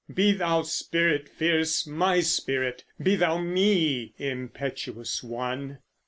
Be thou, spirit fierce, My spirit! Be thou me, impetuous one!